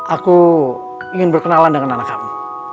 aku ingin berkenalan dengan anak kami